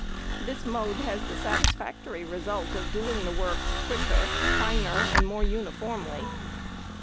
This mode has the satisfactory result of doing the work quicker, finer, and more uniformly.